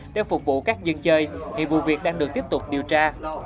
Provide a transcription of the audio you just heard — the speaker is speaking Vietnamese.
để phục vụ các dân chơi hiện vụ việc đang được tiếp tục điều tra